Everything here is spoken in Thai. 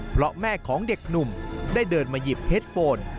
เพราะแม่ของเด็กหนุ่มได้เดินมาหยิบเพชรโปน